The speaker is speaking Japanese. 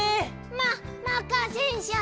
まっまかせんしゃい。